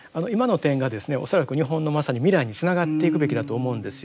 恐らく日本のまさに未来につながっていくべきだと思うんですよ。